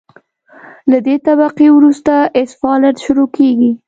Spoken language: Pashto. له دې طبقې وروسته اسفالټ شروع کیږي